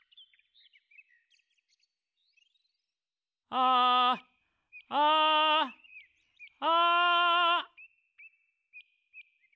「あああ」